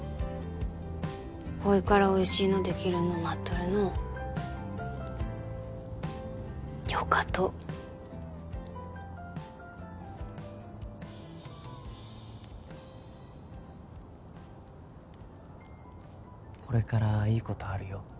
こいからおいしいのできるの待っとるのよかとこれからいいことあるよ